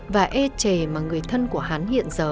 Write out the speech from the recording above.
và ê trề mà người thân của hắn hiện giờ